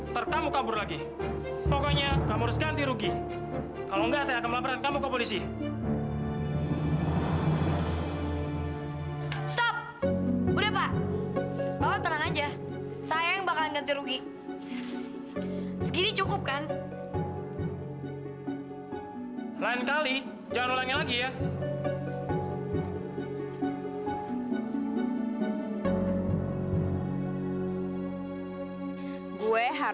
sampai jumpa di video selanjutnya